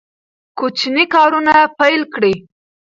کوچني کارونه پیل کړئ.